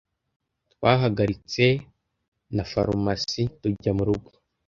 Twahagaritse na farumasi tujya murugo.